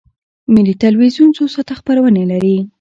ملي تلویزیون څو ساعته خپرونې لري؟